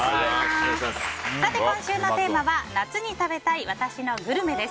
今週のテーマは夏に食べたい私のグルメです。